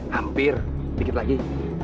hampir dikit lagi